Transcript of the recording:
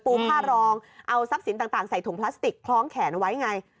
ผ้ารองเอาทรัพย์สินต่างใส่ถุงพลาสติกคล้องแขนไว้ไง